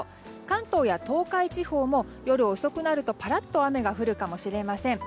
関東や東海地方も夜遅くなるとパラっと雨が降るかもしれません。